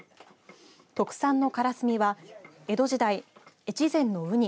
特産のからすみは江戸時代、越前のうに